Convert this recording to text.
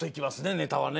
ネタはね。